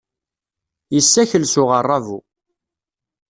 Yessakel s uɣerrabu.